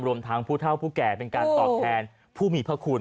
รวมทั้งผู้เท่าผู้แก่เป็นการตอบแทนผู้มีพระคุณ